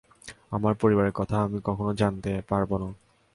আমার পরিবারের কথা আমি কখনো জানতে পারবো না।